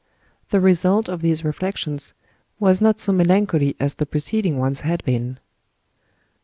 The result of these reflections was not so melancholy as the preceding ones had been.